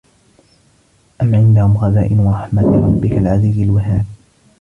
أَم عِندَهُم خَزائِنُ رَحمَةِ رَبِّكَ العَزيزِ الوَهّابِ